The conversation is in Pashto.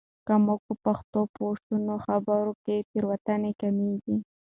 که موږ په پښتو پوه شو، نو خبرو کې تېروتنې کمېږي.